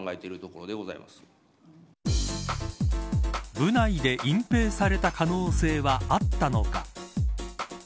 部内で隠蔽された可能性はあったのか。